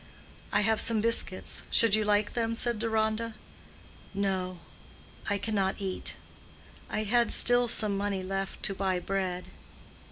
"I have some biscuits—should you like them?" said Deronda. "No; I cannot eat. I had still some money left to buy bread."